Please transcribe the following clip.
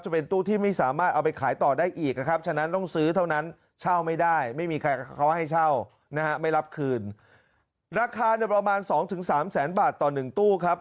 จะเป็นตู้ที่ไม่สามารถเอาไปขายต่อได้อีกนะครับ